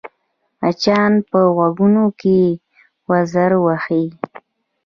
مچان په غوږو کې وزر وهي